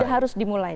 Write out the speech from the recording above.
sudah harus dimulai